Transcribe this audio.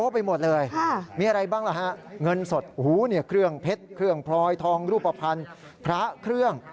พลอยทองรูปภัณฑ์พระเครื่อง